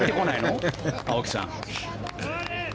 青木さん。